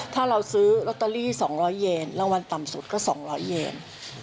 ถ้าเราซื้อลอตเตอรี่๒๐๐เยนรางวัลต่ำสุดก็๒๐๐เยน